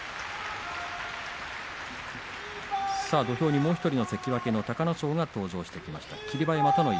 土俵にもう１人の関脇隆の勝が登場してきました。